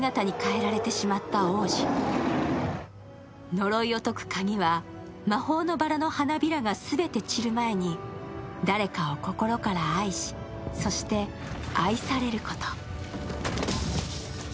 呪いを解くカギは魔法のバラの花びらがすべて散る前に誰かを心から愛し、そして愛されること。